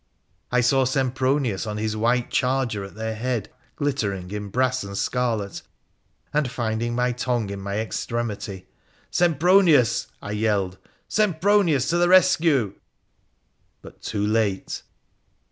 I saw Sempronius on his white charger at their head, glittering in brass and scarlet, and find ing my tongue in my extremity, ' Sempronius !' I yelled, ' Sempronius to the rescue !' But too late.